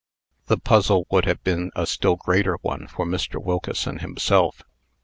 The puzzle would have been a still greater one for Mr. Wilkeson himself.